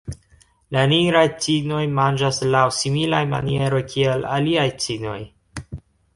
La Nigraj cignoj manĝas laŭ similaj manieroj kiel aliaj cignoj.